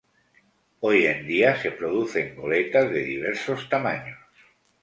Hoy en día se producen goletas de diversos tamaños.